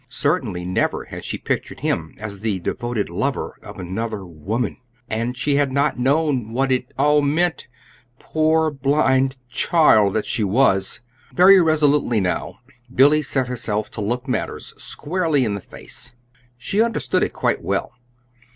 Certainly never had she pictured him as the devoted lover of another woman!... And she had not known what it all meant poor blind child that she was! Very resolutely now Billy set herself to looking matters squarely in the face. She understood it quite well.